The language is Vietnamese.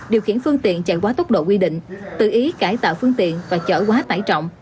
điều khiển phương tiện chạy quá tốc độ quy định tự ý cải tạo phương tiện và chở quá tải trọng